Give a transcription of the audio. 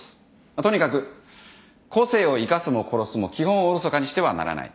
とにかく個性を生かすも殺すも基本をおろそかにしてはならない。